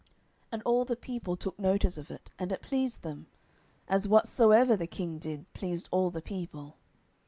10:003:036 And all the people took notice of it, and it pleased them: as whatsoever the king did pleased all the people.